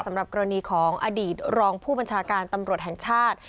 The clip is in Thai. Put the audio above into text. สำหรับกรณีของอดีตรองผู้บัญชาการตำรวจแห่งชาติ